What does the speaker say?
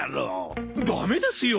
ダメですよ！